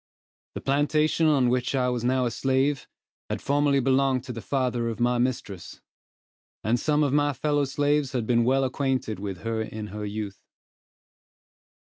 The plantation on which I was now a slave, had formerly belonged to the father of my mistress; and some of my fellow slaves had been well acquainted with her in her youth.